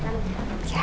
tentang maafin abu ya